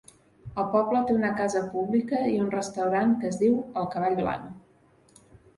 El poble té una casa pública i un restaurant que es diu "El cavall blanc".